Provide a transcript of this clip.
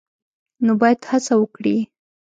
نو باید هڅه وکړي